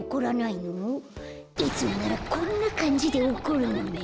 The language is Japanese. いつもならこんなかんじで怒るのに。